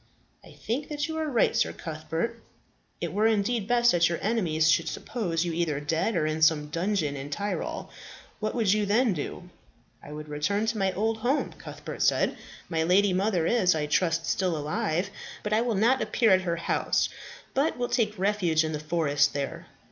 "I think that you are right, Sir Cuthbert. It were indeed best that your enemies should suppose you either dead or in some dungeon in the Tyrol. What would you then do?" "I would return to my old home," Cuthbert said. "My lady mother is, I trust, still alive. But I will not appear at her house, but will take refuge in the forest there.